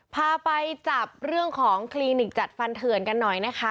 พาไปจับเรื่องของคลินิกจัดฟันเถื่อนกันหน่อยนะคะ